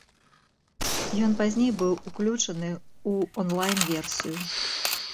Ён пазней быў уключаны ў онлайн-версію.